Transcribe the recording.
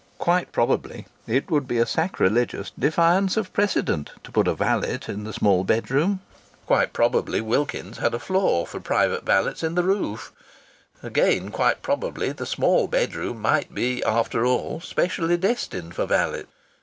Quite probably it would be a sacrilegious defiance of precedent to put a valet in the small bedroom. Quite probably Wilkins's had a floor for private valets in the roof. Again, quite probably, the small bedroom might be, after all, specially destined for valets!